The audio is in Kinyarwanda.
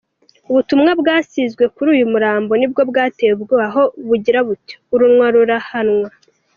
Ubutumwa bwasizwe kuri uyu murambo nibwo bwateye ubwoba, aho bugira buti: “Urunwa rurahanwa”.